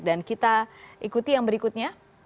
dan kita ikuti yang berikutnya